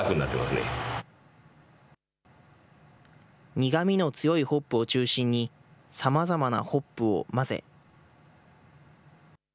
苦みの強いホップを中心にさまざまなホップを混ぜ。